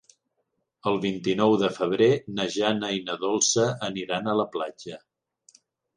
El vint-i-nou de febrer na Jana i na Dolça aniran a la platja.